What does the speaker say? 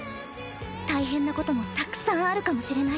大変なこともたくさんあるかもしれない。